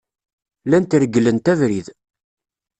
Llant regglent abrid.